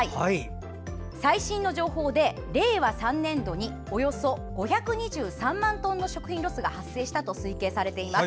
最新の情報で、令和３年度におよそ５２３万トンの食品ロスが発生したと推計されています。